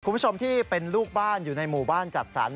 คุณผู้ชมที่เป็นลูกบ้านอยู่ในหมู่บ้านจัดสรร